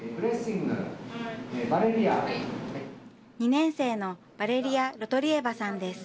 ２年生のヴァレリア・ロトリエヴァさんです。